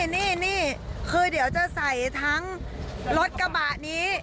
นี่คือเดี๋ยวจะใส่ทั้งรถกระบะนี้